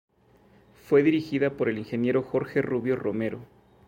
Fue dirigida por el Ing. Jorge Rubio Romero.